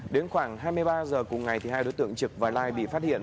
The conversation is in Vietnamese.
đến khoảng hai mươi ba h cùng ngày hai đối tượng trực và lai bị phát hiện